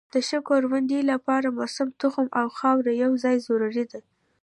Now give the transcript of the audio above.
د ښې کروندې لپاره موسم، تخم او خاوره یو ځای ضروري دي.